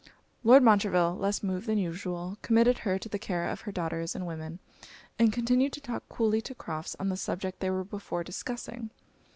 Lord Montreville, less moved than usual, committed her to the care of her daughters and women, and continued to talk coolly to Crofts on the subject they were before discussing.